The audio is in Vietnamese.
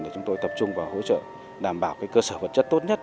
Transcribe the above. để chúng tôi tập trung vào hỗ trợ đảm bảo cơ sở vật chất tốt nhất